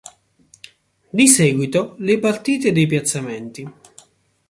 Di seguito le partite dei piazzamenti.